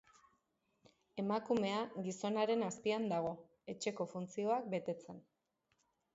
Emakumea gizonaren azpian dago, etxeko funtzioak betetzen.